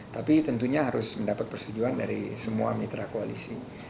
tapi tentunya harus mendapat persetujuan dari semua mitra koalisi